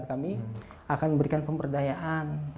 kami akan memberikan pemberdayaan